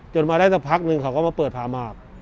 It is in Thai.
มาได้สักพักนึงเขาก็มาเปิดผ้าหมาก